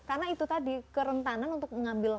karena itu tadi kerentanan untuk mengambil